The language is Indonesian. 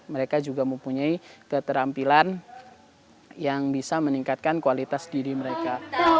mereka juga mempunyai keterampilan yang bisa meningkatkan kualitas diri mereka